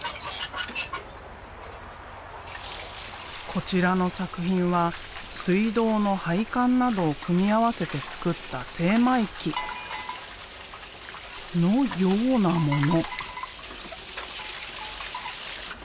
こちらの作品は水道の配管などを組み合わせて作った精米機のようなもの。